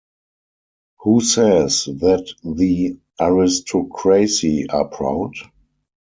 Who says that the aristocracy are proud?